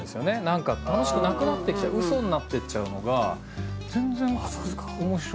何か楽しくなくなってきちゃうウソになってっちゃうのがあっ